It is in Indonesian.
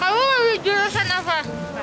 menurut lo kamu apa